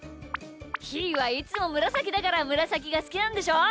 ひーはいつもむらさきだからむらさきがすきなんでしょう？